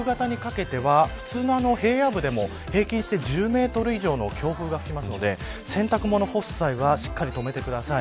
夕方にかけては、平野部でも平均して１０メートル以上の強風が吹きますので洗濯物干す際はしっかりと止めてください。